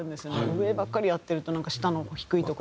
上ばっかりやってるとなんか下の低いところ。